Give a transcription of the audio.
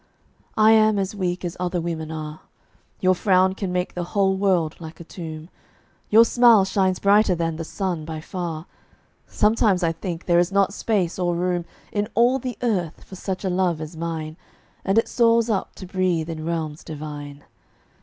I am as weak as other women are: Your frown can make the whole world like a tomb; Your smile shines brighter than the sun, by far. Sometimes I think there is not space or room In all the earth for such a love as mine, And it soars up to breathe in realms divine.